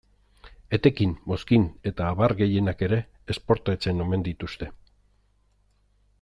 Etekin, mozkin eta abar gehienak ere, esportatzen omen dituzte.